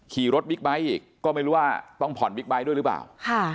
ขี่รถบิ๊กไบท์อีกก็ไม่รู้ว่าต้องผ่อนบิ๊กไบท์ด้วยหรือเปล่าค่ะ